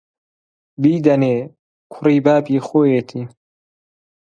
بیدەنێ، کوڕی بابی خۆیەتی